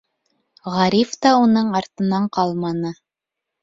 Ғариф та уның артынан ҡалманы.